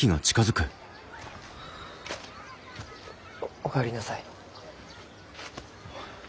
おお帰りなさい。